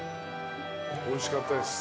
おいしかったです。